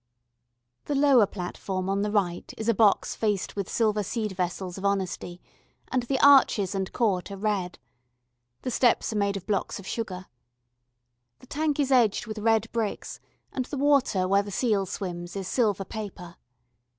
The lower platform on the right is a box faced with silver seed vessels of honesty, and the arches and court are red. The steps are made of blocks of sugar. The tank is edged with red bricks and the water where the seal swims is silver paper.